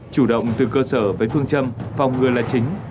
chủ động từ cơ sở với phương châm phòng ngừa là chính